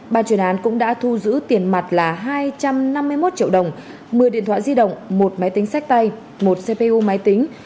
ban chuyên án cũng đã thu giữ tiền mặt là hai trăm năm mươi một triệu đồng một mươi điện thoại di động một máy tính sách tay một cpu máy tính